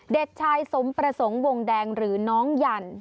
เด็กชายสมประสงค์วงแดงหรือน้องยัน